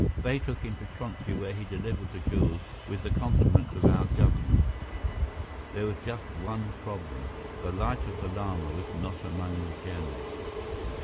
They took him to Chonsi where he delivered the jewels with the compliments of our government. There was just one problem. The Light of the Lama was not among the gems."